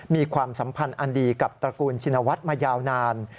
มีความสัมพันธ์อันดีกับตระกูลชินวัฒน์มายาวนาน